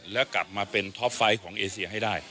แล้วกลับมาเป็นท็อปไฟต์ของเอเซียให้ได้